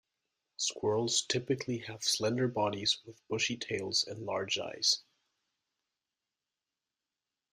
Squirrels typically have slender bodies with bushy tails and large eyes.